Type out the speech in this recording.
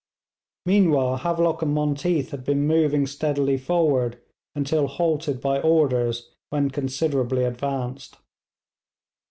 Meanwhile Havelock and Monteath had been moving steadily forward, until halted by orders when considerably advanced.